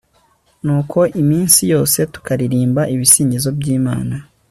nuko iminsi yose tukaririmba ibisingizo by'imana